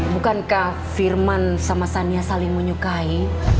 bukankah firman sama sania saling menyukai